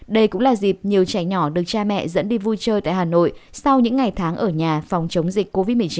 đây cũng là dịp nhiều trẻ nhỏ được cha mẹ dẫn đi vui chơi tại hà nội sau những ngày tháng ở nhà phòng chống dịch covid một mươi chín